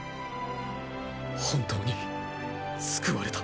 本当に救われた。